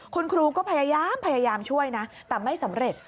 คุณครูก็พยายามพยายามช่วยนะแต่ไม่สำเร็จ